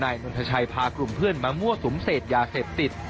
นนทชัยพากลุ่มเพื่อนมามั่วสุมเสพยาเสพติด